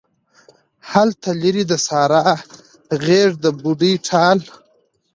هلته لیرې د سارا غیږ د بوډۍ ټال